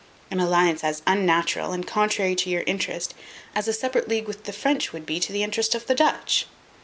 an alliance as unnatural, and contrary to your interest, as a separate league with the French would be to the interest of the Dutch!